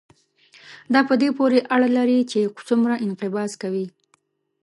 دا په دې پورې اړه لري چې څومره انقباض کوي.